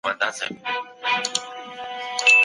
په اسلامي شریعت کي د انسان کرامت خوندي دی.